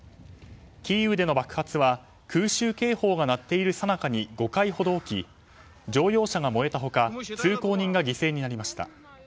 キーウでの爆発は空襲警報が鳴っているさなかに５回ほど起き乗用車が燃えた他通行人が犠牲になりました。